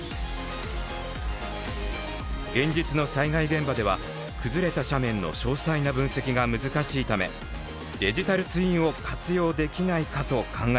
現実の災害現場では崩れた斜面の詳細な分析が難しいためデジタルツインを活用できないかと考えたのです。